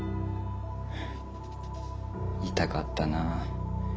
痛かったなあ。